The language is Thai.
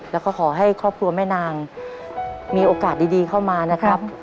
แล้วก็ขอให้ครอบครัวแม่นางมีโอกาสดีเข้ามานะครับ